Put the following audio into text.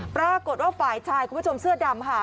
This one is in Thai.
ปรากฏว่าฝ่ายชายคุณผู้ชมเสื้อดำค่ะ